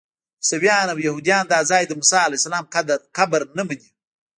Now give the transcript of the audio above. عیسویان او یهودیان دا ځای د موسی علیه السلام قبر نه مني.